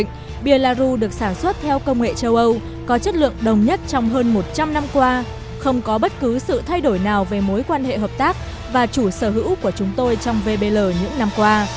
trong năm qua không có bất cứ sự thay đổi nào về mối quan hệ hợp tác và chủ sở hữu của chúng tôi trong vbl những năm qua